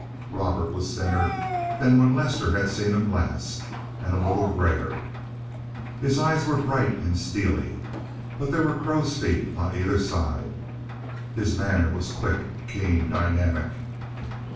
Robert was thinner than when Lester had seen him last, and a little grayer. His eyes were bright and steely, but there were crow's feet on either side. His manner was quick, keen, dynamic.